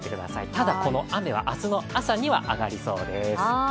ただ、この雨は明日の朝には上がりそうです。